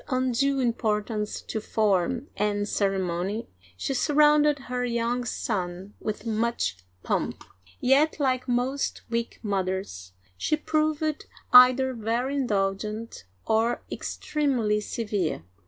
(1610 1643) 301 undue importance to form and ceremony, she surrounded her young son with much pomp ; yet, like most weak mothers, she proved either very indulgent or extremely severe.